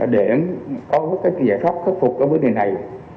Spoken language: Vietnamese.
để có các giải pháp khắc phục các vấn đề này